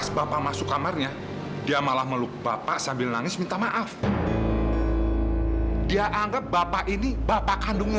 sampai jumpa di video selanjutnya